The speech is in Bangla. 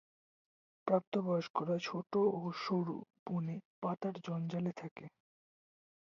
প্রাপ্তবয়স্করা ছোট ও সরু, বনে পাতার জঞ্জালে থাকে।